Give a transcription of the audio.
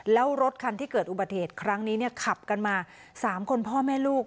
แล้วรถคันที่เกิดอุบัติเหตุครั้งนี้ขับกันมา๓คนพ่อแม่ลูก